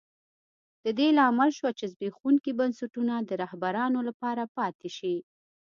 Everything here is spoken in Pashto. د دې لامل شوه چې زبېښونکي بنسټونه د رهبرانو لپاره پاتې شي.